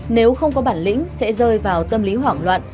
nếu không có bản lĩnh sẽ rơi vào tâm lý hoảng loạn